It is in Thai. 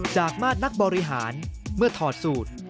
มาตรนักบริหารเมื่อถอดสูตร